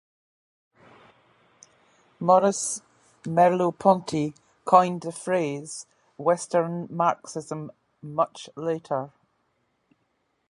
Maurice Merleau-Ponty coined the phrase "Western Marxism" much later.